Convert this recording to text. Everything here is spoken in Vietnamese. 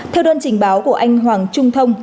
theo đơn trình báo của anh hoàng trung thông